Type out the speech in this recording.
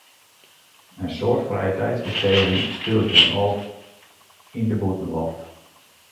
In soad frijetiidsbesteging spilet him ôf yn de bûtenloft.